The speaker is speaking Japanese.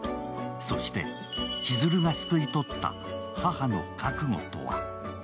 そして千鶴がすくい取った母の覚悟とは。